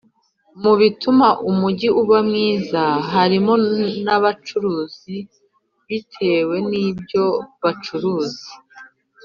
Mu bituma umujyi uba mwiza harimo n’abacuruzi bitewe nibyo bacuruza